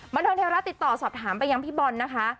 มาทางเทวราชติดต่อสอบถามไปยังพี่บอลนะคะ